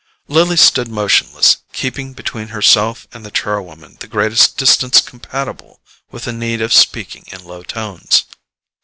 Lily stood motionless, keeping between herself and the char woman the greatest distance compatible with the need of speaking in low tones.